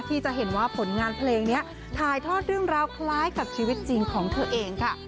ที่จะเห็นว่าผลงานเพลงนี้ถ่ายทอดเรื่องราวคล้ายกับชีวิตจริงของเธอเองค่ะ